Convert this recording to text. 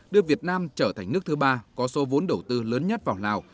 đưa việt nam trở thành nước thứ ba có số vốn đầu tư lớn nhất vào lào